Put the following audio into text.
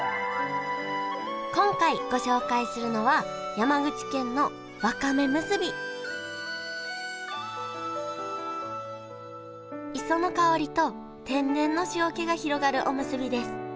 今回ご紹介するのは磯の香りと天然の塩気が広がるおむすびです。